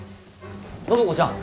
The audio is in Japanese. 暢子ちゃん